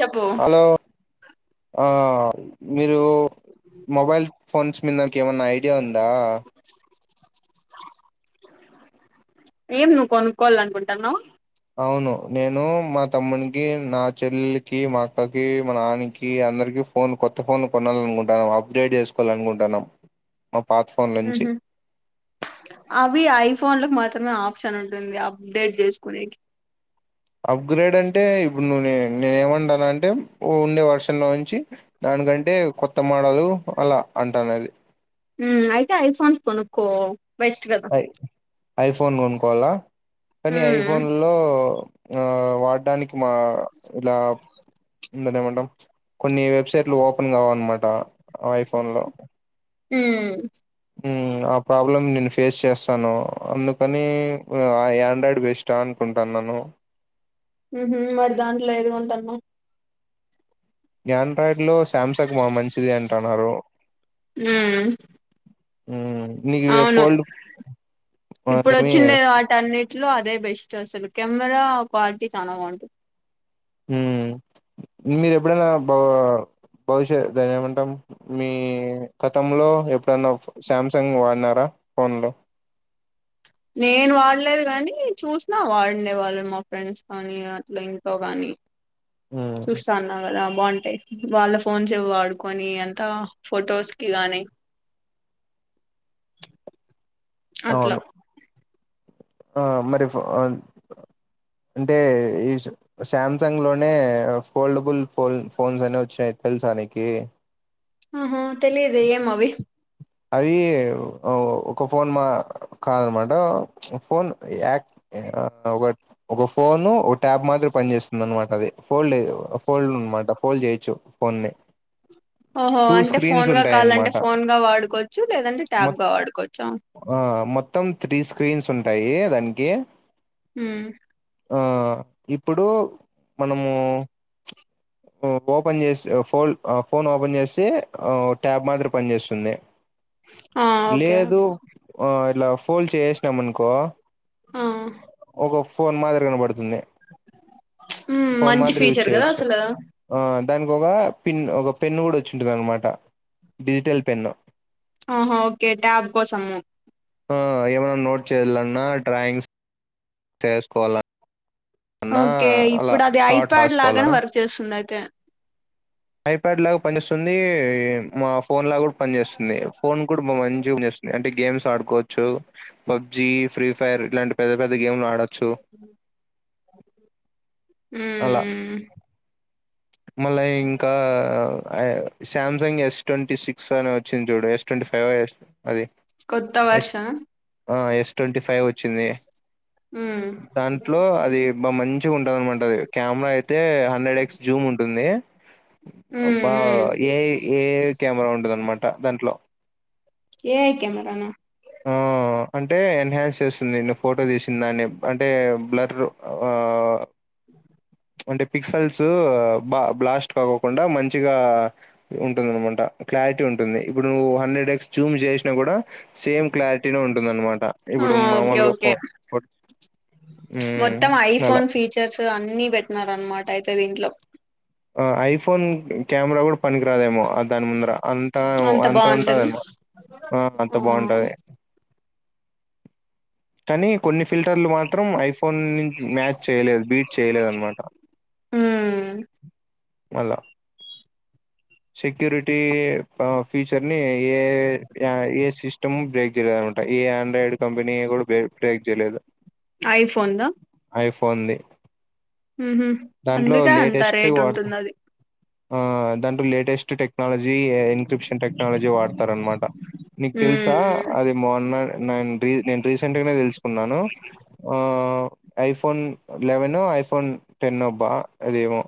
చెప్పు హలో ఆ మీరు మొబైల్ ఫోన్స్ మీదకేమన్నా ఐడియా ఉందా ఏం నువ్వు కొనుక్కోవాలనుకుంటాన్నావ అవును నేను మా తమ్మునికి నా చెల్లెలకి మా అక్కకి మా నాన్నకి అందరికి ఫోన్ కొత్త ఫోన్ కొనాలనుకుంటన్నమ్ అప్గ్రేడ్ చేసుకోవాలనుకుంటన్నమ్ మ్ హు అవి ఐఫోన్ లక్ మత్ త్రమే ఆప్షన్ ఉంటుంది అప్డేట్ చేసుకోనికి అప్గ్రేడ్ అంటే ఇప్పుడు నువ్వు నే నేనేమంటాను అంటే ఉండే వర్షన్ లో నుంచి దానికంటే కొత్త మోడలు అలా అంటాను అది మ్ అయితే ఐఫోన్స్ కొనుక్కో బెస్ట్ కద ఐ ఐఫోన్ కొనుక్కోవల కనీ ఐఫోన్లో ఆ వాడ్డనికి మా ఇలా దాన్నేమంటం కొన్ని వెబ్సైట్లు ఓపెన్ కావన్నమాట ఐఫోన్ లో మ్ మ్ ఆ ప్రాబ్లమ్ నేను ఫేస్ చేస్తాను అందుకని మ్ అ యా ఆండ్రాయిడ్ బెస్డ అం కుంటా న్నను మ్ హు మరి దాంట్లో ఏది కొంటన్నవ్ ఆండ్రాయిడ్ లో శాంసంగ్ మ మంచిది అంటన్నారు మ్ నీక్ ఇగ ఫోన్లు ఇప్పుడడోచ్చింది వాటన్నిట్లో అదే బెస్ట్ అసలు కెమెరా క్వాలిటీ చాలా బాగుంటది మ్ మీర ఎప్పుడైనా బో బహుషా ధన్నెమంటం మీ గతంలో ఎప్పుడన్న శామ్సంగ్ వాడినారా ఫోన్లో నేను వాడలేదు కని చూసినా వాడినే వాళ్ళు మా ఫ్రెండ్స్ కానీ అట్లా ఇంటో కాని మ్మ్ చూస్తాన్నావ్ గదా బాగుంటాయి వాళ్ళ ఫోన్స్ ఇవి వాడుకొని అంతా ఫొటోస్కి గానీ అట్ల అవును ఆ మరి ఇఫ్ ఆ అంటే ఈ సు శామ్సంగ్ లోనే ఫోల్డబుల్ ఫోన్ ఫోన్స్ అనే వచయి తెల్సా నికీ ఆహ తెలిదు ఏం అవి అవి ఒ ఒక ఫోన్ మా కాదనమాట ఫోన్ యాక్ ఆ ఒక ఒక ఫోను ఒక ట్యాబ్ మాదిరి పని చేస్తుందనమాట అది ఫోల్డ్ ఫోల్డ్ అన్నమాట ఫోల్డ్ చేయొచ్చు ఫోన్నీ ఓహో అంటే ఫోన్గా కాలంటే అన్నమాట ఫోన్ గా వాడు కోచ్చు లేదంటే మొ ట్యాబ్గా వాడుకోవచ్చా ఆ మొత్తం త్రీ స్క్రీన్స్ ఉంటాయి దానికి ఊ ఆ ఇప్పుడు మనము ఓపెన్ చేసి ఫోల్ ఫోన్ ఓపెన్ చేసి ఆ ట్యాబ్ మాదిరి పని చేస్తుంది ఆ ఓకే లేదు ఓకే ఆ ఇట్లా ఫోల్డ్ చేసేసినాం అనుకో ఆ ఒక ఫోన్ మాదిరి కనపడుతుంది ఉమ్ ఫోన్ మంచి మాదిరి యూజ్ ఫీచర్ కదా చేయొచ్చు అసలు దానికి ఒక పిన్ ఒక పెన్ కూడా వచ్చింటుంది అనమాట డిజిటల్ పెన్ ఆహా ఓకే ట్యాబ్ కోసము ఆ ఏమైన్నా నోట్ చేయాలన్నా డ్రాయింగ్స్ చేసుకోవాల ఓకే ఇప్పుడు అది ఐప్యాడ్ లాగానే రాసుకోవాలన్నా వర్క్ చేస్తుంది అయితే ఐప్యాడ్ లాగా పనిస్తుంది మా ఫోన్ లాగా కూడా పనిచేస్తుంది ఫోన్ కూడా మంచి జూమ్ చేస్తుంది అంటే గేమ్స్ ఆడుకోవచ్చు పబ్జి ఫ్రీ ఫైర్ ఇలాంటి పెద్ద పెద్ద గేమ్లు ఆడొచ్చు అలా ఉమ్ మ్మ్ మళ్ళా ఇంకా సామ్సంగ్ ఎస్ ట్వంటీ సిక్స్ అని వచ్చింది చూడు ఎస్ ట్వంటీ ఫైవ్ అది కొత్త S version S twenty five వచ్చింది ఉమ్ దాంట్లో అది బాగా మంచిగా ఉంటంది అనమాట అది కెమెరా అయితే హండ్రెడ్ ఎక్స్ జూమ్ ఉంటుంది ఉమ్ బా ఉమ్ ఏఐ కెమెరా ఉంటుంది అన్నమాట దాంట్లో ఏఐ కెమెరానా ఆ అంటే ఎన్హాన్స్ చేస్తుంది న ఫోటో తీసిన దాన్ని అంటే బ్లర్ ఆ అంటే పిక్సల్స్ బా బ్లాస్ట్ కాకోకుండా మంచిగా ఉంటుందనమాట క్లారిటీ ఉంటుంది ఇప్పుడు నువ్వు హండ్రెడ్ ఎక్స్ జూమ్ చే సేమ్ క్లారిటీనే ఉంటుందన్నమాట ఆ ఇప్పుడు ఓకే మామూలుగా ఓకే ఫోన్ మొత్తం ఐఫోన్ ఫీచర్స్ అన్ని పెట్టినారన్నమాట అయితే దీంట్లో ఆ ఐఫోన్ కెమెరా కూడా పనికిరాదేమో దాని ముందర అంత అంత ఉంటదనమాట ఆ అంత బాగుంటది కానీ కొన్ని ఫిల్టర్లు మాత్రం ఐఫోన్ [unintelligible] మ్యాచ్ చేయలేదు బీట్ చేయలేదు అనమాట ఉమ్ అల సక్యూరిటీ ఫీచర్ ని ఏ ఏ సిస్టమ్ బ్రే అనమాట ఏ ఆండ్రాయిడ్ కంపెనీ కూడ బే బ్రేక్ చేయలేదు ఐఫోన్ ద ఐఫోన్ది దాంట్లో అందుకే అంత లేటెస్ట్ రేట్ వ ఉంటుంది అది ఆ దాంట్లో లేటెస్ట్ టె టెక్నాలజీ ఇన్క్రిప్షన్ టెక్నాలజీ వాడతారు అనమాట నీకు తెలుస ఉమ్ అది మొన్న నేను రీసెంట్గానే తెలుసుకున్నాను ఆ ఐఫోన్ లెవెనో ఐఫోన్ టెన్నో బ అదేమో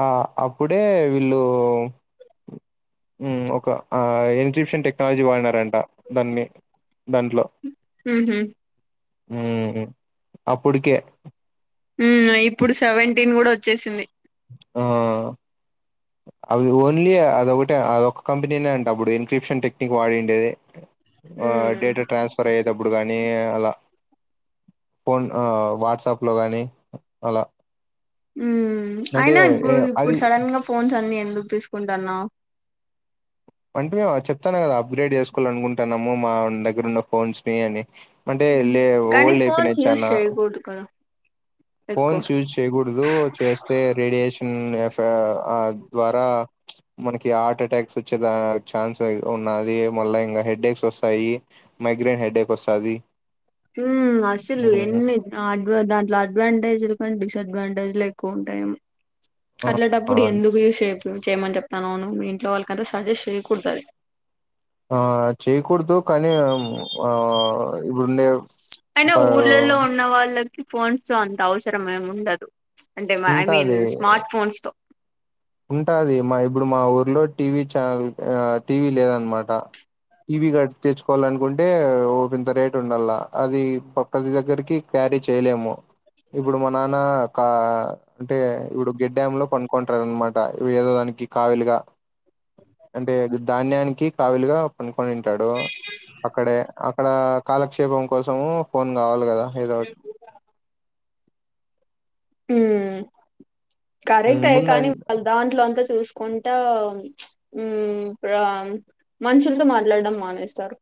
ఆ అప్పుడే వీళ్ళు ఒక ఆ [unintelligible] టెక్నాలజీ వాడినారంట దాన్ని దాంట్లో హు హు అప్పుడుకే ఇప్పుడు సెవెంటీన్ కూడా వచ్చేసింది ఆ అది ఓన్లీ అదొకటే అదొక్క కంపెనీనే అంట అప్పుడు ఎన్క్రిప్షన్ టెక్నిక్ వాడిండేది ఆ ఉమ్ డేట ట్రాన్స్ఫర్ అయ్యేటప్పుడు కానీ అల ఫోన్ వాట్సాప్ లో గానీ అల అయినా ఇప్పుడు ఇప్పుడు అది సడన్ గా ఫోన్స్ అన్ని అందుకు తీసుకుంటాన్న అంటే మేము చెప్తాన కదా అప్గ్రేడ్ చేసుకోవాలి అనుకుంటున్నాము మా దగ్గర ఉన్న ఫోన్స్ ని అని అంటే లే కానీ ఓల్డ్ ఫోన్స్ అయిపోయినాయి యూస్ చాన చేయకూడదు కదా ఎక్కువ ఫోన్స్ యూజ్ చేయకూడదు చేస్తే రేడియేషన్ ఎ ద్వార మనకి హార్ట్ అటాక్స్ చ్చ ఛాన్స్ ఉన్నది మళ్ళా ఇంకా హెడ్ ఎక్స్ వస్తాయి మైగ్రైన్ హెడ్ ఎక్ వస్తది అసలు ఉమ్, ఎన్ని అడ్వా దాంట్లో అడ్వాంటేజ్కండి డిస్డ్వాంటేజ్ ఎక్కువ ఉంటాయి ఆ అట్లాప్పుడు ఎందుకు [unintelligible] చేయమని చెప్తాను అవును మీ ఇంట్లో వాళ్ళకంత సజెస్ట్ చేయ్యకూడదది ఆ చేయకూడదు కానీ ఆ ఇప్పుడుండే కాని ఆ ఊర్లలో ఉన్న వాళ్ళకి ఫోన్స్ అంత అవసరం ఉండదు అంటే ఐ మీన్ ఉంటాది స్మార్ట్ ఫోన్స్ ఉంటాది మా ఇప్పుడు మా ఊర్లో టీవీ ఛానల్ టీవీ లేదనమాట ఇవి కట్ తెచ్చుకోవాల అనుకుంటే ఓ వింత రేట్ ఉండాల అది [unintelligible] క్యారీ చేయలేము ఇప్పుడు మా నాన్న కా అంటే ఇప్పుడు గెడ్డమ్ లో పనుకొంటారు అనమాట ఏదో దానికి కావిలిగ అంటే ధాన్యానికి కావిలిగా పనుకొనింటాడు అక్కడే అక్కడ కాలక్షేపం కోసము ఫోన్ కావాలి కదా ఏదో ఒ ఉ కరెక్ట్ ముంద కానీ వాళ దాంట్లో అంత చూసుకుంటా మనుషులతో మాట్లాడడం మానేస్తారు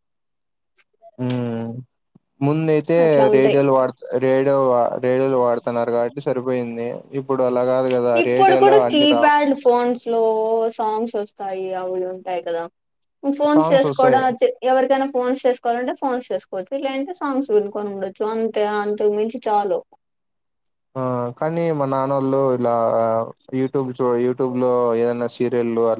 ముంద అయితే అట్లా ఉంటాయి రేడియోలు వాడుత రేడియో రేడియోలు వాడుతున్నారు కాబట్టి సరి పోయింది ఇప్పు ఇప్పుడు కూడా కీప్యాడ్ ఫోన్స్ లో సాంగ్స్ వస్తాయి అవి ఉంటాయి కదా ఫోన్స్ సాంగ్స్ చేసుకోవడ వస్తాయి ఎవరికైనా ఫోన్స్ చేసుకోవాలంటే ఫోన్స్ చేసుకోవచ్చు లేదంటే సాంగ్స్ వినుకొని ఉండొచ్చు అంతే అంతకు మించి చాలు ఆ కానీ మా నాన్నోళ్ళు ఇలా యూట్యూబ్ చ యూట్యూబ్ లో ఏదైనా సీరియల్లు ఆ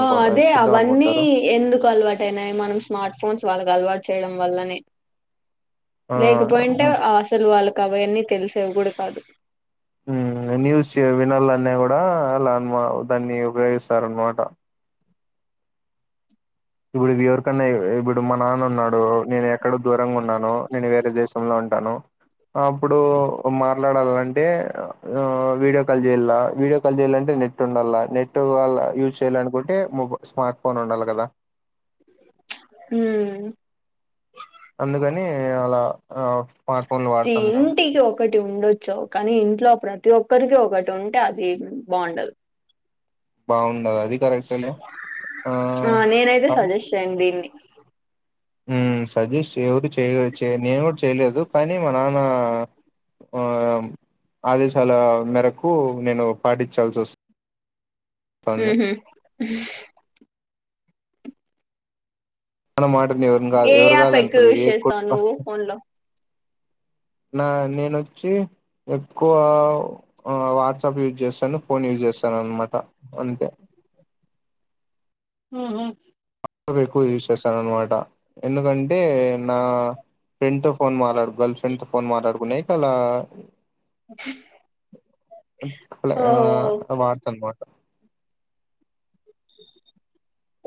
ఆ అదే అవన్నీ ఎందుకు అలవాటయినాయి మనం స్మార్ట్ ఫోన్స్ వాళ్ళకు అలవాటు చేయడం వల్లనే ఆ లేకపోయింటే ఉమ్, అసలు వాళ్ళ కవయన్నీ తెలిసేవి కూడా కాదు న్యూస్ వినాలన్నా అలా అమా దాన్ని ఉపయోగిస్తార అనమాట ఇప్పుడు ఎవరికన్నా ఇప్పుడు మా నాన్న ఉన్నాడు నేను ఎక్కడో దూరంగా ఉన్నాను నేను వేరే దేశంలో ఉ న్నాను అప్పుడు మాట్లాడాలంటే ఆ వీడియో కాల్ చేయాల వీడియో కాల్ చేయాలంటే నెట్ ఉండాలి నెట్ వాళ యూజ్ చేయాలనుకుంటే మొబై స్మార్ట్ ఫోన్ ఉండాలి కదా హ అందుకని అలా ఆ స్మార్ట్ ఫోన్లు వాడతాం మేము ఇంటికి ఒకటి ఉండొచ్చు కానీ ఇంట్లో ప్రతి ప్రతి ఒక్కరికి ఒకటి ఉంటే అది బాండదు బాగుండదు అది కరెక్టేలే ఆ నేనైతే కానీ సజెస్ట్ చేయ్యను దీన్ని సజెస్ట్ ఎవరు చేయ నేను కూడా చేయలేదు కానీ మా నాన్న ఆ ఆదేశాల మేరకు నేను పాటించాల్సి వస్తుంది హ ఆన మాటను ఏ ఎవరు యాప్ కాదంట ఎక్కువ యూస్ ఏ చేస్తావు నువ్వు ఫోన్ లో నా నేనొచ్చి ఎక్కువ వాట్సాప్ యూజ్ చేస్తాను ఫోన్ యూజ్ చేస్తాను చూస్తాన్నమాట అంతే ఆ ఎక్కువ యూజ్ చేస్తాను అనమాట ఎందుకంటే నా ఫ్రెండ్ తో ఫోన్ మాట్లాడు గర్ల్ ఫ్రెండ్ తో ఫోన్ మాట్లాడుకునేకి అలా ఓహో ఆ వడతా అన్నమాట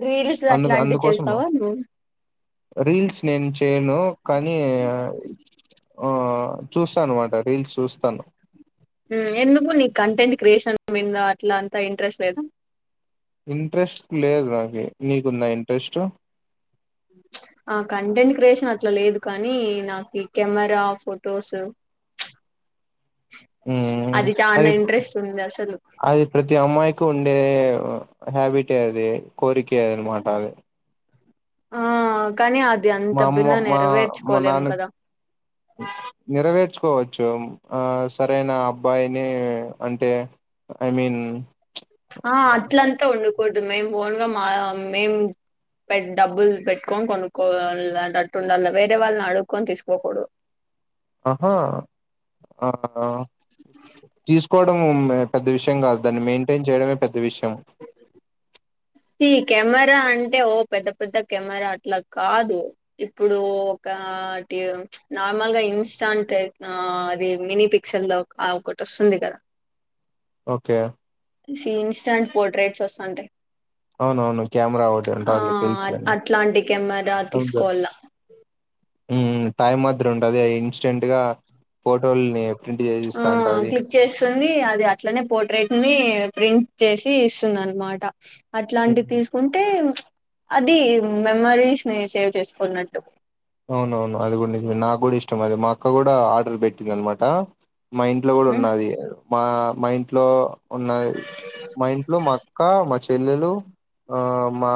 రీల్స్ అందు అట్లాంటివి అందుకోసం చేస్తావా నువ్వు రీల్స్ నేను చేయను కానీ ఆ చూస్తానమాట రీల్స్ చూస్తాను హ్మ్. ఎందుకు నీకు కంటెంట్ క్రియేషన్ మీదా అట్ల అంతా ఇంట్రెస్ట్ లేదా ఇంట్రెస్ట్ లేదు నాకు నీకుందా ఇనెరెస్టు ఆ కంటెంట్ క్రియేషన్ అట్లా లేదు కానీ నాకు ఈ కెమెరా ఫొటోసు [unintelligible] ఉ చానా అది ఇంట్రెస్ట్ ఉంది అసలు అది ప్రతి అమ్మాయికి ఉండేదే హాబిటే అది కోరికె అనమాట ఆ అ కానీ అది అంత మా అమ్మ బిన్న మా మా నెరవేర్చుకోలేము నాన్నకి కదా నేర్చ్చకోవచ్చు ఆ సరైన అబ్బాయిని అంటే ఐ మీన్ ఆ అట్లంతా ఉండకూడదు మేం ఓన్గా మా మేం పె డబ్బులు పెట్టుకొని కొనుక్కోవాలంటట్టుండాలి వేరే వాళ్ళని అడుక్కకొని తీసుకోకూడదు ఆహా ఆ తీసుకోవడం పెద్ద విషయం కాదు దాన్ని మెయింటైన్ చేయడమే పెద్ద విషయం. ఈ కెమెరా అంటే ఓ పెద్ద పెద్ద కెమెరా అట్లా కాదు ఇప్పుడు ఒక. ఆహ్ టి ప్చ్ నార్మల్ గా ఇన్స్టాంట్ ఆహ్ అది మినీ పిక్చర్ లో ఆహ్ ఒకటి వస్తది. వస్తుంది కదా. ఓకే. సీ ఇన్స్టంట్ పోర్ట్రేట్స్ వస్తుంటే. అవునవును క్యామెరా ఒకటి ఉంటది తెలుసులేండి అట్లాంటి కెమెరా అవునుగ. తీసుకోవాల ఉమ్ ఉమ్ టైం మాదిరి ఉంటది ఇన్స్టెంట్గా. ఆహ్ ఉంటది క్లిక్ చేస్తుంది ఆహ్ అది అట్లనే పోర్ట్రేట్ అవుతుంది. ప్రింట్ చేసి ఇస్తుంది అనమాట అట్లాంటి హ్మ్. తీసుకుంటే ప్చ్. అది మెమరీస్ ని సేవ్ చేసుకున్నట్టు. అవునవును అది కూడా నిజమే నాకు కూడా ఇష్టం అది మా అక్క కూడా ఆర్డర్ పెట్టింది అనమాట. మా ఇంట్లో కూడా ఉన్నది మా మా ఇంట్లో. ఉన్నాయి మా ఇంట్లో మా అక్క మా చెల్లెలు. ఆహ్ మా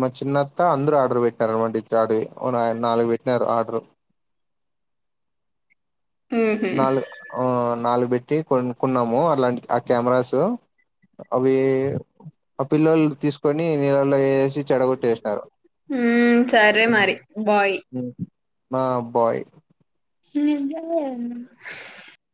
మా చిన్నత్త అందరు ఆర్డర్ పెట్టినారానమాట ఈ క్యాడరీ అవు ఆన నాలుగు పెట్టినారు ఆర్డరు. ఉహు నాలుగు ఆహ్ నాలుగు పెట్టి కొనుకున్నాము అలాంటి ఆ కెమెరాసు. అవి ఆ పిల్లలు తీసుకొని నీళ్ళలా వేసి. చెడగట్టేసినారు ఉమ్ సరే ఉమ్ మరి బాయ్ ఉమ్. మా అబ్బాయి. నిజంగానా.